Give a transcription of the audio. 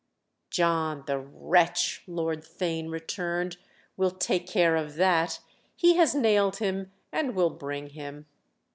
"John—the wretch!" Lord Theign returned—"will take care of that: he has nailed him and will bring him."